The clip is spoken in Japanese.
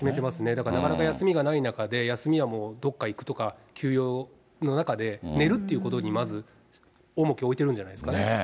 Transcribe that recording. だからなかなか休みがない中で、休みはどっか行くとか休養の中で、寝るということにまず重きを置いてるんじゃないですかね。